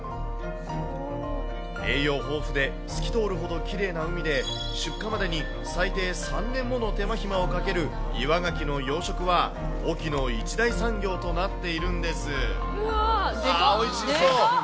栄養豊富で、透き通るほどきれいな海で、出荷までに最低３年もの手間暇をかける岩ガキの養殖は、隠岐の一大産業となっているんです。